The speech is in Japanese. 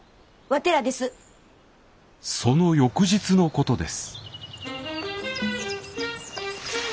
その翌日のことです。